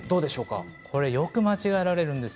よく間違えられるんです。